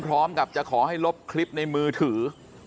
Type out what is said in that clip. พร้อมกับจะขอให้ลบคลิปในมือถือ